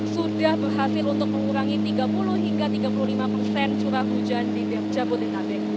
sudah berhasil untuk mengurangi tiga puluh hingga tiga puluh lima persen curah hujan di jabodetabek